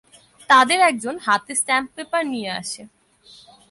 তাদের একজন হাতে স্ট্যাম্প পেপার নিয়ে আসে।